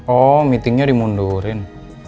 oh meetingnya dimundurin